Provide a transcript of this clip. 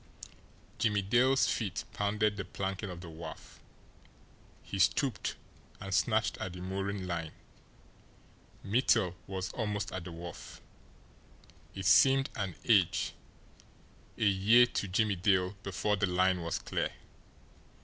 Jimmie Dale's feet pounded the planking of the wharf. He stooped and snatched at the mooring line. Mittel was almost at the wharf. It seemed an age, a year to Jimmie Dale before the line was clear.